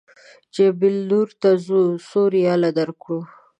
جبل نور ته ځو څو ریاله درکړو.